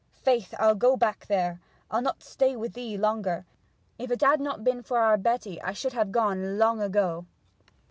Faith, I'll go back there; I'll not stay with thee longer! If it had not been for our Betty I should have gone long ago!'